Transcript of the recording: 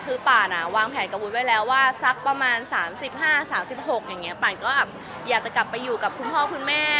คือปั่นวางแผ่นกระบุ้นไว้แล้วว่าสักประมาณ๓๕๓๖ปั่นก็อยากจะกลับไปอยู่กับคุณพ่อคุณแม่